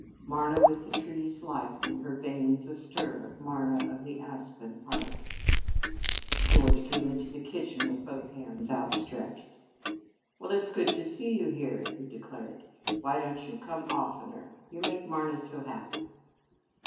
"Marna with the trees' life In her veins a stir! Marna of the aspen heart " George came into the kitchen with both hands outstretched. "Well, it's good to see you here," he declared. "Why don't you come oftener? You make Marna so happy."